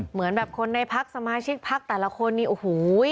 เหมือนแบบคนในพักสมาชิกพักแต่ละคนนี่โอ้โห